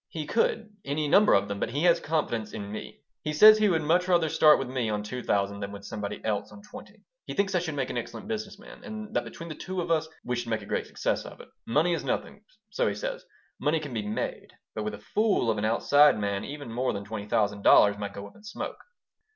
"He could, any number of them, but he has confidence in me. He says he would much rather start with me on two thousand than with somebody else on twenty. He thinks I should make an excellent business man, and that between the two of us we should make a great success of it. Money is nothing so he says money can be made, but with a fool of an outside man even more than twenty thousand dollars might go up in smoke."